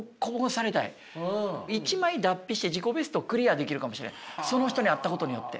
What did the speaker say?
一枚脱皮して自己ベストをクリアできるかもしれないその人に会ったことによって。